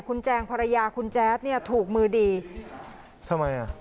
คุณแจงภรรยาคุณแจ๊ดเนี่ยถูกมือดีทำไมอ่ะ